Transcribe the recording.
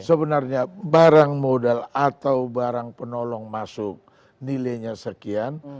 sebenarnya barang modal atau barang penolong masuk nilainya sekian